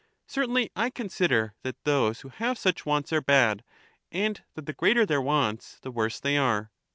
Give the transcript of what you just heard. Certainly I consider that those who have such wants are bad, and that the greater their wants the worse they are.